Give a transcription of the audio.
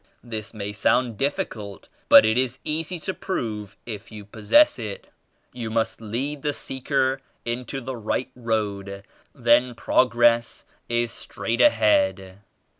This may sound difficult but it is easy to prove if you possess it. You must lead the seeker into the right road, then progress is straight ahead.